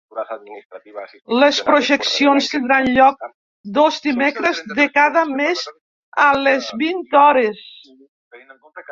Les projeccions tindran lloc dos dimecres de cada mes a les vint hores.